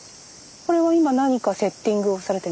これは今何かセッティングをされてるんですか？